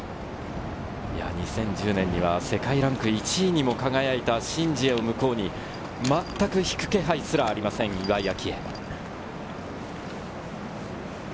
２０１０年には世界ランク１位にも輝いたシン・ジエを向こうに、退く気配すらありません、岩井明愛。